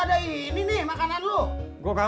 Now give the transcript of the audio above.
hmm pas dulu ya